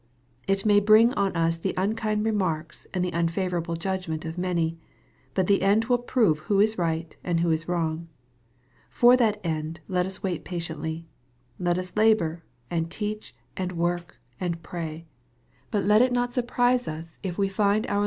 It may bring on us the unkind remarks and the un favorable judgment of many. But the end will prove who is right and who is wrong. For that end let ua wait patiently. Let us labor, and teach, and work, and pray. But let it not surprise us if we find out MARK, CHAP.